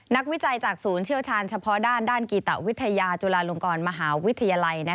วิจัยจากศูนย์เชี่ยวชาญเฉพาะด้านด้านกีตวิทยาจุฬาลงกรมหาวิทยาลัย